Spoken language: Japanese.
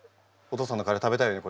お父さんのカレー食べたいよね